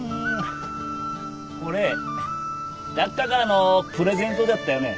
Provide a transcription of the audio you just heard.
これ誰っかからのプレゼントじゃったよね。